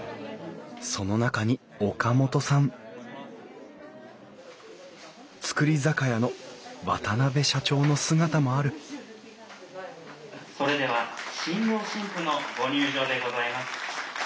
その中に岡本さん造り酒屋の渡社長の姿もあるそれでは新郎新婦のご入場でございます。